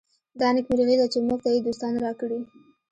دا نېکمرغي ده چې موږ ته یې دوستان راکړي.